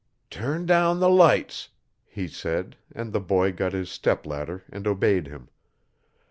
'Turn down the lights,' he said and the boy got his step ladder and obeyed him.